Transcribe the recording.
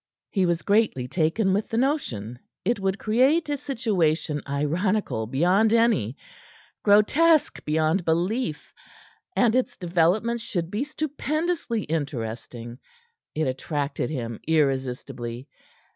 He was greatly taken with the notion. It would create a situation ironical beyond any, grotesque beyond belief; and its development should be stupendously interesting. It attracted him irresistibly.